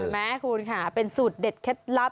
ไหมคุณค่ะเป็นสูตรเด็ดเคล็ดลับ